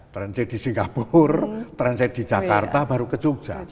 transit di singapura transit di jakarta baru ke jogja